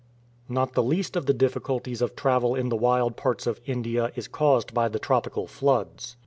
Not the least of the difficulties of travel in the wild parts of India is caused by the tropical floods.